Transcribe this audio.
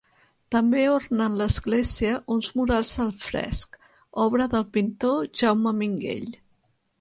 També ornen l'església uns murals al fresc, obra del pintor Jaume Minguell.